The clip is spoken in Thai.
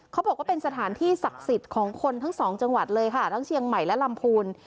เขาบอกว่าเป็นสถานที่ศักดิ์สิทธิ์ของคนทั้งสองจังหวัดเลยค่ะทั้งเชียงใหม่และลำพูน